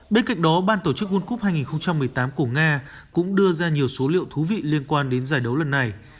bên cạnh đó ban tổ chức world cup hai nghìn một mươi tám của nga cũng đưa ra nhiều số liệu thú vị liên quan đến giải đấu lần này